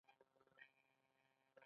دوی به له خپلې انرژۍ سره سم کار کاوه.